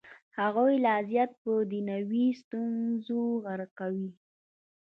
هغوی لا زیات په دنیوي ستونزو غرقوي.